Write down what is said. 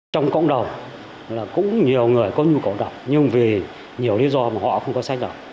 trong cộng đồng là cũng nhiều người có nhu cầu đọc nhưng vì nhiều lý do mà họ không có sách đọc